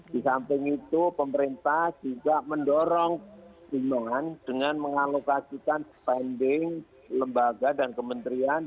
di samping itu pemerintah juga mendorong dengan mengalokasikan spending lembaga dan kementerian